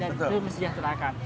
dan itu mesejahterakan